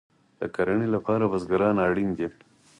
د کرنې لپاره بزګر اړین دی